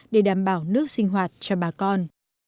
để đảm bảo nước sinh hoạt cho bà con